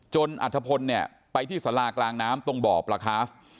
จนอัฐพลไปที่สลากลางน้ำตรงบ่อปลาคาฟ